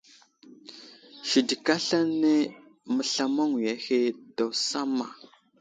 Sidik aslane məslamaŋwiya ahe daw samma.